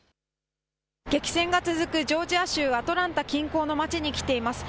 激戦が続くジョージア州アトランタ近郊の街に来ています。